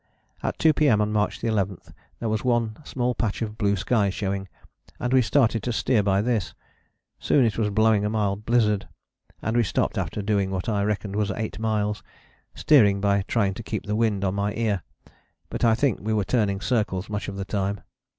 At 2 P.M. on March 11 there was one small patch of blue sky showing, and we started to steer by this: soon it was blowing a mild blizzard, and we stopped after doing what I reckoned was eight miles, steering by trying to keep the wind on my ear: but I think we were turning circles much of the time.